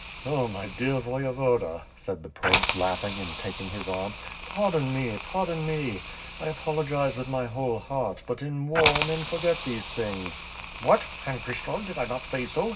"Oh, my dear Voyevoda," said the prince, laughing and taking his arm, "pardon me, pardon me! I apologize with my whole heart, but in war, men forget those things." WITH FIRE AND SWORD, 337 '"What, Pan Kryshtof, did I not say so?